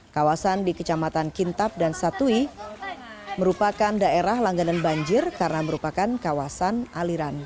kawasan di kecamatan kintab dan satui merupakan daerah langganan banjir karena merupakan kawasan aliran